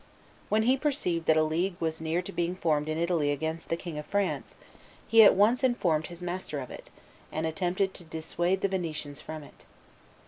When he perceived that a league was near to being formed in Italy against the King of France, he at once informed his master of it, and attempted to dissuade the Venetians from it.